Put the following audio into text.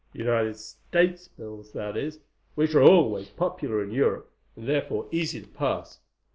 United States bills, that is, which are always popular in Europe, and therefore easy to pass.